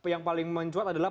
yang paling mencuat adalah